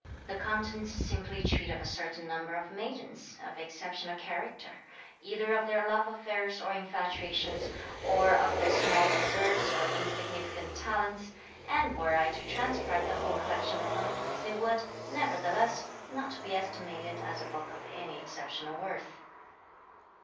The contents simply treat of a certain number of maidens, of exceptional character; either of their love affairs or infatuations, or of their small deserts or insignificant talents; and were I to transcribe the whole collection of them, they would, nevertheless, not be estimated as a book of any exceptional worth."